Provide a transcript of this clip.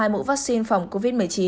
hai mũ vaccine phòng covid một mươi chín